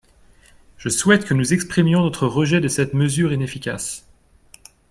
Je souhaite que nous exprimions notre rejet de cette mesure inefficace